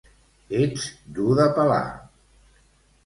Ets dur de pelar.